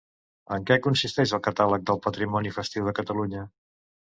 En què consisteix el Catàleg del Patrimoni Festiu de Catalunya?